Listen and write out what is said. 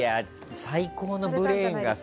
最高のブレーンがさ